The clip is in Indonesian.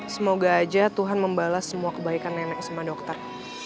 semoga aja tuhan membalas semua kebaikan nenek sama dokter